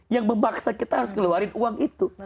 yang memaksa kita harus ngeluarin uang itu